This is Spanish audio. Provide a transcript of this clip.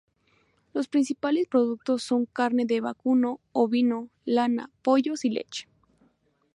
Los principales productos son carne de vacuno, ovino, lana, pollos y leche.